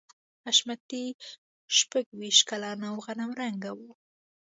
حشمتي شپږویشت کلن او غنم رنګی و